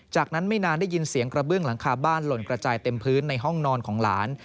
จากนั้นไม่นานได้ยินเสียงกระเบื้องหลังคาบ้านหล่นกระจายเต็มพื้นในห้องนอนของหลาน